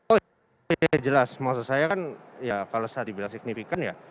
oh ya jelas maksud saya kan ya kalau saya dibilang signifikan ya